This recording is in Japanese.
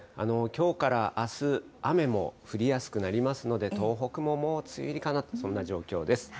きょうからあす、雨も降りやすくなりますので、東北ももう梅雨入りかなと、そんな状況です。